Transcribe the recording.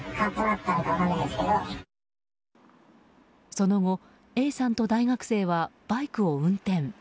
その後、Ａさんと大学生はバイクを運転。